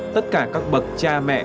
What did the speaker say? tất cả các bậc cha mẹ